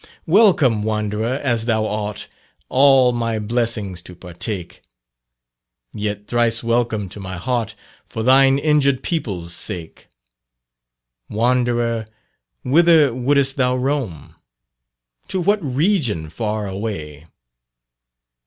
Welcome wanderer as thou art, All my blessings to partake; Yet thrice welcome to my heart, For thine injured people's sake. Wanderer, whither would'st thou roam? To what region far away?